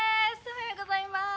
おはようございまーす